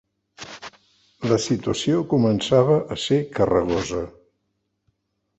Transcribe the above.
La situació començava a ser carregosa.